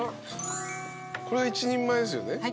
これ１人前ですよね？